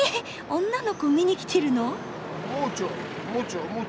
女の子見に来てるの？